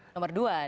nomor dua dikerima